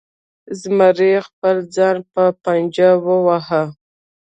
زمري خپل ځان په پنجو وواهه.